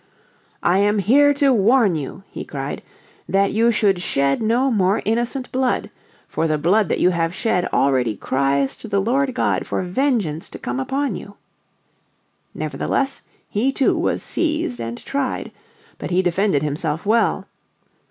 "I am come here to warn you, he cried, "that you should shed no more innocent blood. For the blood that you have shed already cries to the Lord God for vengeance to come upon you." Nevertheless he too was seized and tried. But he defended himself well.